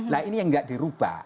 nah ini yang nggak dirubah